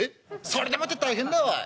それでもって大変だおい。